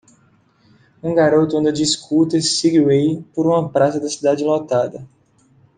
Um garoto anda de scooter Segway por uma praça da cidade lotada.